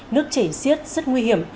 nước chảy siết rất nguy hiểm